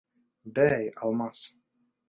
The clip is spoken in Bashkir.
Бәй, Алмас!